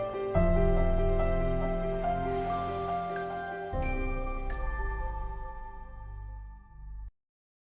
berita terkini mengenai cuaca ekstrem dua ribu dua puluh satu di jepang